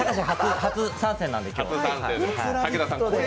初参戦なので、今日。